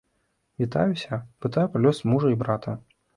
Вітаюся, пытаю пра лёс мужа і брата.